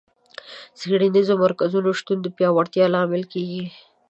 د څېړنیزو مرکزونو شتون د پیاوړتیا لامل کیږي.